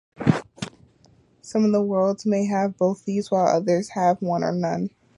Some worlds may have both these while others have one or none.